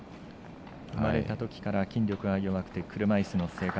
生まれたときから筋力が弱くて車いすの生活。